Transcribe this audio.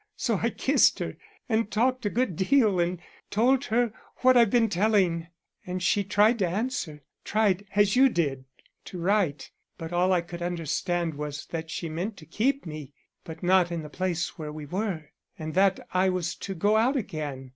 So I kissed her and talked a good deal and told her what I've been telling, and she tried to answer, tried as you did to write, but all I could understand was that she meant to keep me, but not in the place where we were, and that I was to go out again.